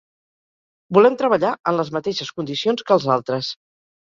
Volem treballar en les mateixes condicions que els altres.